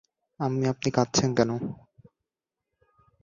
আম্মি আপনি কাঁদছেন কেন?